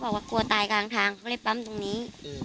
บอกว่ากลัวตายกลางทางก็เลยปั๊มตรงนี้